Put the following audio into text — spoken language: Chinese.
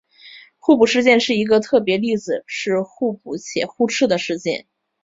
互补事件的一个特别例子是互补且互斥的事件。